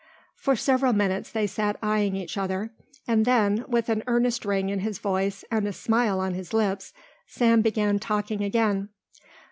For several minutes they sat eyeing each other, and then, with an earnest ring in his voice and a smile on his lips, Sam began talking again.